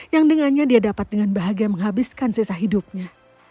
yang dengannya dia dapat dengan bahagia menghabiskan sisa hidupnya